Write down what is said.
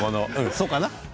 そうかな？